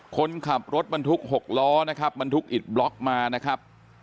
คนขับรถบรรทุก๖ล้อนะครับบรรทุกอิดบล็อกมานะครับ